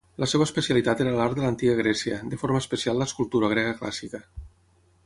La seva especialitat era l'art de l'Antiga Grècia, de forma especial l'escultura grega clàssica.